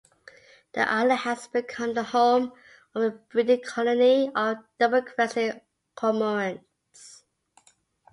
The island has become the home of a breeding colony of double-crested cormorants.